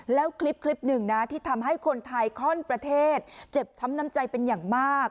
แล้วคลิปหนึ่งนะที่ทำให้คนไทยข้อนประเทศเจ็บช้ำน้ำใจเป็นอย่างมาก